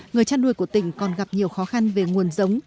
người chăn nuôi của tỉnh còn gặp nhiều khó khăn về nguồn giống